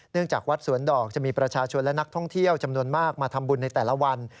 จากวัดสวนดอกจะมีประชาชนและนักท่องเที่ยวจำนวนมากมาทำบุญในแต่ละวัน